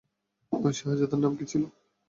ঐ শেহজাদার নাম কি ছিল?